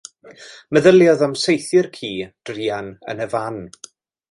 Meddyliodd am saethu'r ci, druan, yn y fan.